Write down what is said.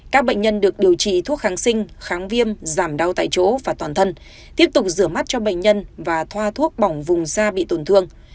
các bệnh nhân được điều trị thuốc kháng sinh kháng viêm giảm đau tại chỗ và toàn thân tiếp tục rửa mắt cho bệnh nhân và thoa thuốc bỏng vùng da bị tổn thương